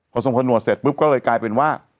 พอทรงขนวดเสร็จปุ๊บก็เลยกลายเป็นว่า